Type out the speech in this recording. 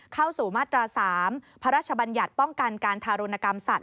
เข้าสู่มาตรา๓พระราชบัญญัติป้องกันการทารุณกรรมสัตว